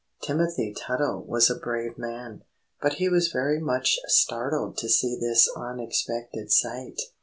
Timothy Tuttle was a brave man, but he was very much startled to see this unexpected sight.